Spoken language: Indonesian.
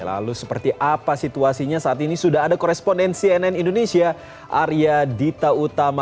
lalu seperti apa situasinya saat ini sudah ada koresponden cnn indonesia arya dita utama